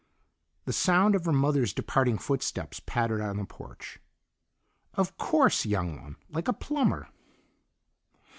The sound of her mother's departing footsteps pattered on the porch. "Of course, Young One; like a plumber."